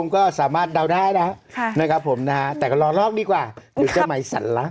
โปรดติดตามตอนต่อไป